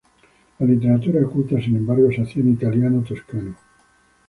La literatura culta sin embargo, se hacía en italiano toscano.